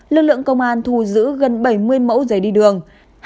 lực lượng công an thu giữ gần bảy mươi mẫu giấy đi đường